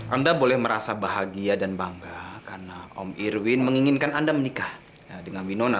anda boleh merasa bahagia dan bangga karena om irwin menginginkan anda menikah dengan minona